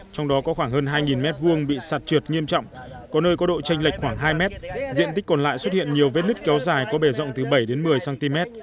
trong đó có khoảng hơn hai m hai bị sạt trượt nghiêm trọng có nơi có độ tranh lệch khoảng hai mét diện tích còn lại xuất hiện nhiều vết nứt kéo dài có bề rộng từ bảy đến một mươi cm